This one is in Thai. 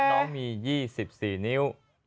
น้องมี๒๔นิ้ว